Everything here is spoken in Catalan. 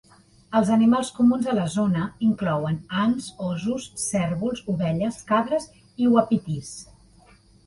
Els animals comuns a la zona inclouen ants, ossos, cérvols, ovelles, cabres i uapitís.